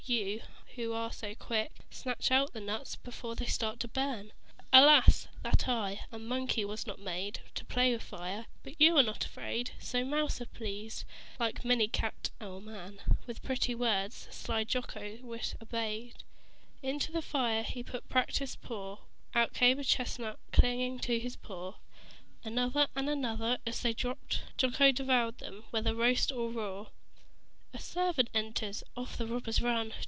You, who are so quick, Snatch out the nuts before they start to burn. "Alas! That I, a Monkey, was not made To play with fire. But you are not afraid." So Mouser pleased, like many a cat or man, With pretty words sly Jocko's wish obeyed. Into the fire he put a practiced paw: Out came a chestnut clinging to his claw Another and another. As they dropped Jocko devoured them, whether roast or raw. A servant enters. Off the robbers run.